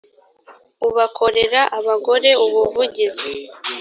u bakorera abagore ubuvugizi